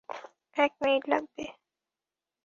এক মিনিট লাগবে।